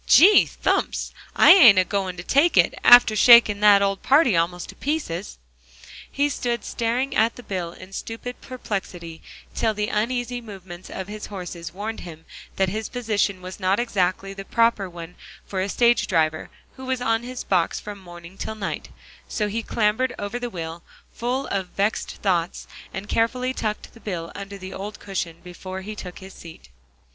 Gee thumps! I ain't a goin' to take it, after shaking that old party almost to pieces." He stood staring at the bill in stupid perplexity till the uneasy movements of his horses warned him that his position was not exactly the proper one for a stage driver who was on his box from morning till night, so he clambered over the wheel, full of vexed thoughts, and carefully tucked the bill under the old cushion before he took his seat.